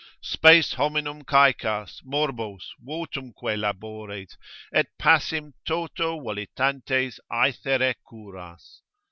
Spes hominum caecas, morbos, votumque labores, Et passim toto volitantes aethere curas.